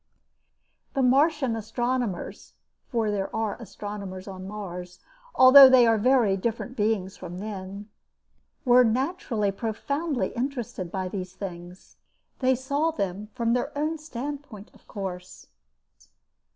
The Martian astronomers for there are astronomers on Mars, although they are very different beings from men were naturally profoundly interested by these things. They saw them from their own standpoint of course.